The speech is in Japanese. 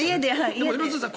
でも廣津留さん